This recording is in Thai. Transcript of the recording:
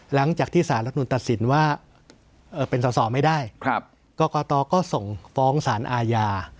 หลังจากที่สารรัฐนุนตัดสินว่าเป็นสอสอไม่ได้กรกตก็ส่งฟ้องสารอาญา